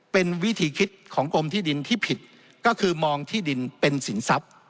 เป็นวิธีคิดของกรมที่ดินที่ผิดก็คือมองที่ดินเป็นสินทรัพย์